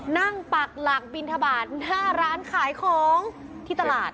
ปักหลักบินทบาทหน้าร้านขายของที่ตลาด